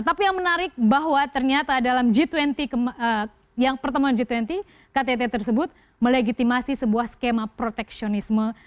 tapi yang menarik bahwa ternyata dalam g dua puluh pertemuan g dua puluh ktt tersebut melegitimasi sebuah skema proteksionisme